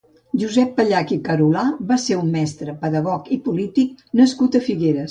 Josep Pallach i Carolà va ser un mestre, pedagog i polític nascut a Figueres.